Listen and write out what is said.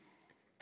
え？